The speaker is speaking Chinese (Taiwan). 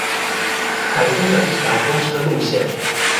台中的一條公車路線